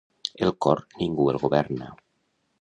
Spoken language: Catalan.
El cor ningú el governa.